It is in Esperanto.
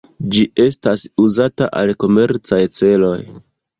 Ĝi estas uzata al komercaj celoj.